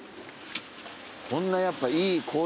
こんなやっぱいい